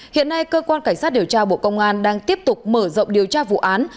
hiện nay cơ quan cảnh sát điều tra bộ công an đang tiếp tục mở rộng điều tra vụ án